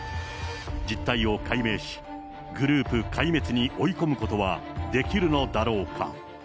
実態を解明し、グループ壊滅に追い込むことはできるのだろうか。